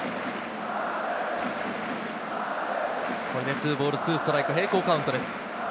２ボール２ストライク、平行カウントです。